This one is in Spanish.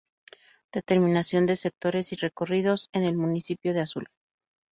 Determinación de sectores y recorridos en el Municipio de Azul.